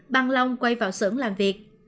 bằng lòng quay vào xưởng làm việc